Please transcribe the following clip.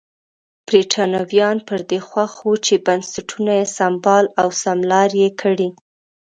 برېټانویان پر دې خوښ وو چې بنسټونه یې سمبال او سمه لار یې کړي.